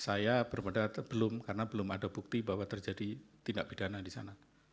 saya berpendapat belum karena belum ada bukti bahwa terjadi tindak pidana di sana